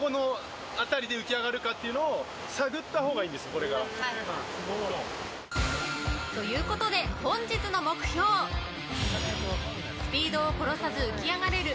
そこで。ということで本日の目標スピードを殺さず浮き上がれる